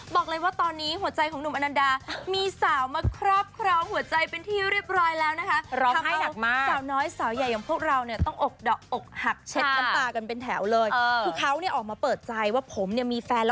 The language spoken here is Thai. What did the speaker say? บอกเลยว่าตอนนี้หัวใจของหนุ่มอนันดามีสาวมาครอบครองหัวใจเป็นที่เรียบร้อยแล้วนะคะ